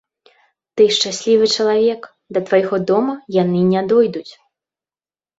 Ты шчаслівы чалавек, да твайго дома яны не дойдуць.